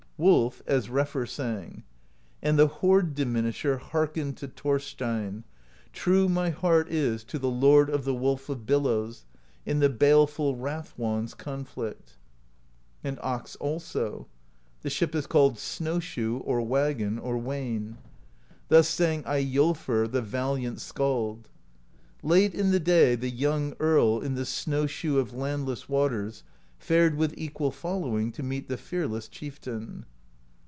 Wolf, as Refr sang: And the Hoard Diminisher hearkened To Thorsteinn; true my heart is 194 PROSE EDDA To the Lord of the Wolf of Billows In the baleful Wrath Wand's conflict. And Ox also. The ship is called Snowshoe, or Wagon, or Wain. Thus sang Eyjolfr the Valiant Skald: Late in the day the young Earl In the Snowshoe of Landless Waters Fared with equal following To meet the fearless chieftain.